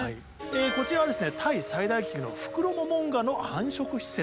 こちらはですねタイ最大級のフクロモモンガの繁殖施設。